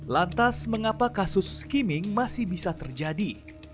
lantas mengapa kasus skimming masih bisa terjadi